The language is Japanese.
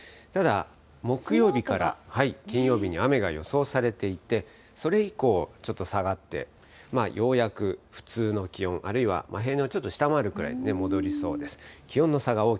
ただ、木曜日から金曜日に雨が予想されていて、それ以降、ちょっと下がって、ようやく普通の気温、あるいは平年をちょっと下回るくらいに戻りそうです。